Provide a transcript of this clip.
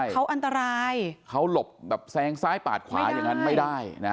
เขาอันตรายเขาหลบแบบแซงซ้ายปาดขวาอย่างนั้นไม่ได้นะ